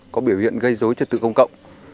có biểu hiện gây dối trật tự công cộng